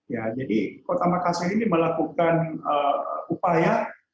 ya jadi kota makassar ini melakukan upaya